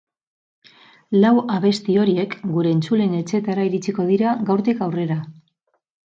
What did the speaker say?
Lau abesti horiek gure entzuleen etxeetara iritsiko dira gaurtik aurrera.